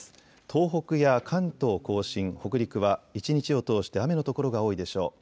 東北や関東甲信、北陸は一日を通して雨の所が多いでしょう。